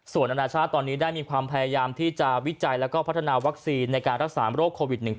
ส่วนอนาชาติตอนนี้ได้มีความพยายามที่จะวิจัยแล้วก็พัฒนาวัคซีนในการรักษาโรคโควิด๑๙